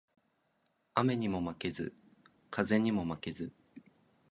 雨ニモ負ケズ、風ニモ負ケズ